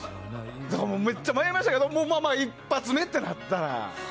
めっちゃ迷いましたけど１発目となったら。